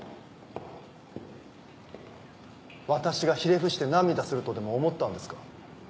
私がひれ伏して涙するとでも思ったんですか？